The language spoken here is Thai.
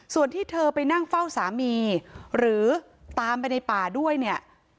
ส่วนที่เธอไปนั่งเฝ้าสามีหรือตามไปในป่าด้วยเนี่ย